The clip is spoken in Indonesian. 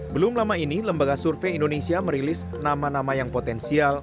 belum lama ini lembaga survei indonesia merilis nama nama yang potensial